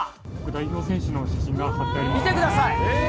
代表選手の写真が貼ってあり見てください。